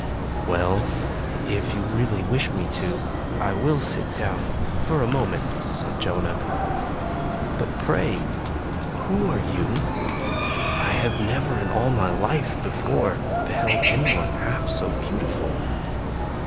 "Well, if you really wish me to, I will sit down for a moment," said Jonah. "But, pray, who are you? I have never^ in all my life before, beheld anyone half so beautiful!"